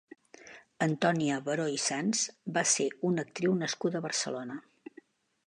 Antònia Baró i Sanz va ser una actriu nascuda a Barcelona.